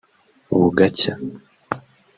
‘Bugacya’